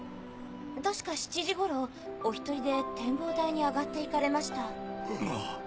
確か７時ごろお１人で展望台に上がって行かれました。